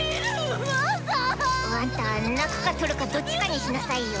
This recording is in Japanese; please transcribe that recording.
あんた泣くか撮るかどっちかにしなさいよ。